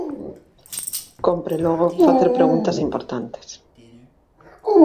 Cómpre, logo, facer preguntas importantes.